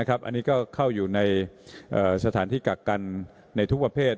อันนี้ก็เข้าอยู่ในสถานที่กักกันในทุกประเภท